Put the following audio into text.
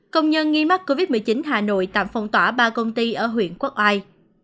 công nhân nghi mắc covid một mươi chín hà nội tạm phong tỏa ba công ty ở huyện quốc ai